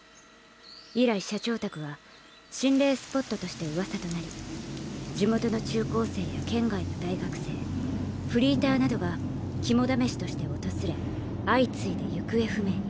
以来社長宅は心霊スポットとしてうわさとなり地元の中高生や県外の大学生フリーターなどが肝試しとして訪れ相次いで行方不明に。